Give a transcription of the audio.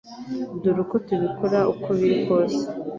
Dore uko tubikora uko biri kose